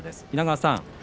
稲川さん